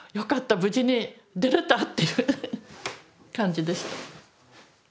無事に出れたっていう感じでした。